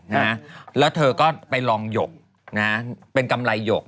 นะฮะแล้วเธอก็ไปลองหยกนะฮะเป็นกำไรหยก